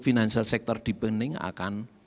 financial sector depending akan